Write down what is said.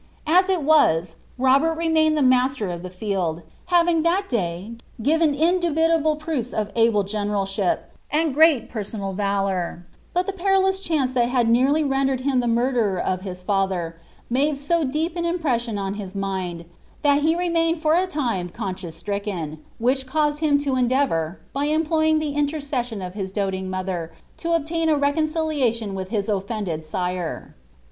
As it was, Robert remained ihe master of ch* field, having that day given indubitable proofs of able geDeralehi]), ud Ct personal Talour; but the perilous chance that had nearly readiTcd ihe murderer of his lather, inade so deep an impression on his raiod, ihol he remained for a time conscience stricken, which caused him lo endeafour, by employing the inlercession of his doting mother, to obtua a reeoncilialion with his oflended sire.'